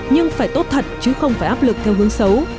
nhưng phải tốt thật chứ không phải áp lực theo hướng xấu